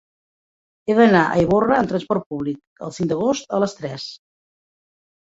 He d'anar a Ivorra amb trasport públic el cinc d'agost a les tres.